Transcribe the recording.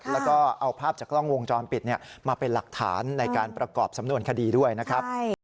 แล้วก็เอาภาพจากกล้องวงจรปิดมาเป็นหลักฐานในการประกอบสำนวนคดีด้วยนะครับ